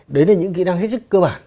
đấy là những kỹ năng hết sức cơ bản